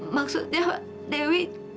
maksudnya pak dewi